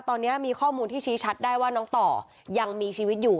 ตอนนี้มีข้อมูลที่ชี้ชัดได้ว่าน้องต่อยังมีชีวิตอยู่